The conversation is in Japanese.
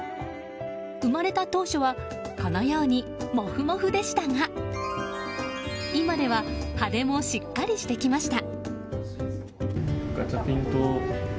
生まれた当初はこのようにもふもふでしたが今では羽もしっかりしてきました。